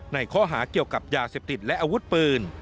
ในข้อหาเกี่ยวกับยาเสพติดและอาวุธปืน